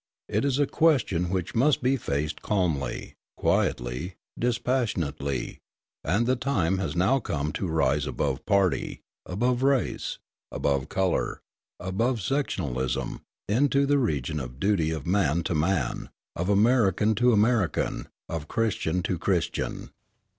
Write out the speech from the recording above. It is a question which must be faced calmly, quietly, dispassionately; and the time has now come to rise above party, above race, above colour, above sectionalism, into the region of duty of man to man, of American to American, of Christian to Christian.